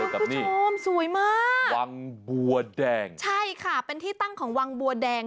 กับนี่โอมสวยมากวังบัวแดงใช่ค่ะเป็นที่ตั้งของวังบัวแดง